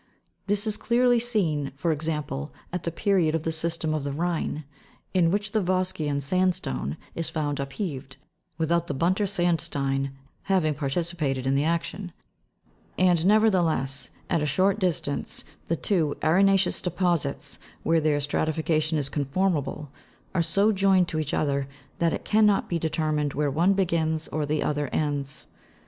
This is clearly seen, for example, at the period of the system of the Rhine, in which the vosgean sandstone is found upheaved, without the bunter sandstein having partici pated in the action ; and, nevertheless, at a short distance the two arena' ccous deposits, where their stratification is conformable, are so joined to each other, that it cannot be determined where one begins or the other ends.